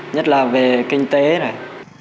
nhất là về kinh tế này